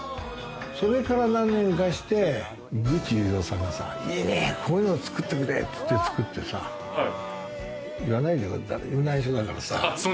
それから何年かして、グッチ裕三さんがさ、いいね、こういうの作ってくれっつって作ってさ、言わないでよ、誰にも内緒だからさ。